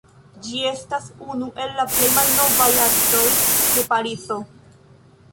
Ĝi estas unu el la plej malnovaj aksoj de Parizo.